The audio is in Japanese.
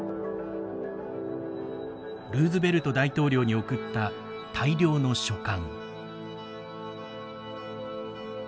ルーズベルト大統領に送った大量の書簡。